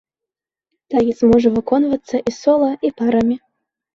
Танец можа выконвацца і сола, і парамі.